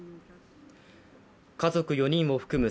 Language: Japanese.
家族４人を含む